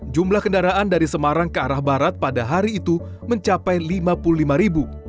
jumlah kendaraan dari semarang ke arah barat pada hari itu mencapai lima puluh lima ribu